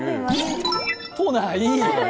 都内？